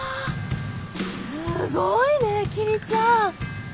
すごいね桐ちゃん。